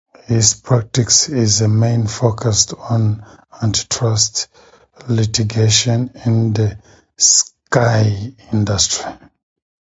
His practice is mainly focused on antitrust litigation in the ski industry.